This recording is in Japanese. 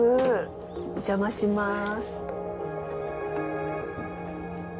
お邪魔します。